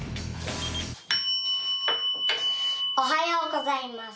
おはようございます。